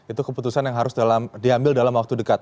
itu keputusan yang harus diambil dalam waktu dekat